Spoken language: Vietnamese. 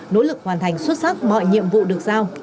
nỗ lực hoàn thành xuất sắc mọi nhiệm vụ được giao